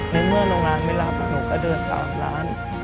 ในเมื่อโรงงานไม่รับหนูก็เดินตามร้าน